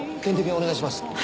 点滴お願いします。